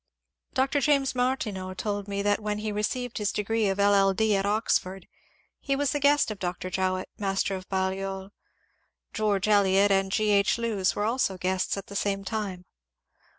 Dr. James Martineau told me that when he received his degree of LL. D. at Oxford, he was the guest of Dr. Jowett, master of Balliol. *^ George Eliot" and G. H. Lewes were also guests at the same time.